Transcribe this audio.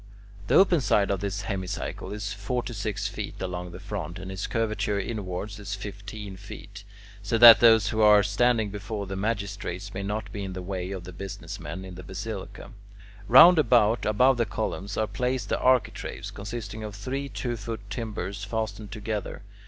The open side of this hemicycle is forty six feet along the front, and its curvature inwards is fifteen feet, so that those who are standing before the magistrates may not be in the way of the business men in the basilica. Round about, above the columns, are placed the architraves, consisting of three two foot timbers fastened together.